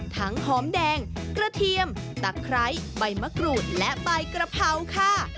หอมแดงกระเทียมตะไคร้ใบมะกรูดและใบกระเพราค่ะ